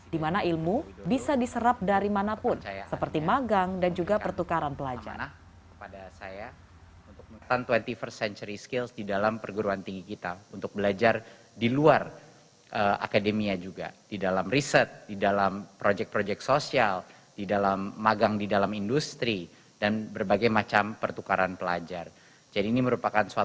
di mana ilmu bisa diserap dari manapun seperti magang dan juga pertukaran pelajar